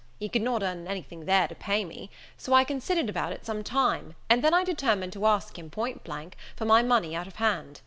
he could not earn anything there to pay me: so I considered about it some time, and then I determined to ask him, point blank, for my money out of hand.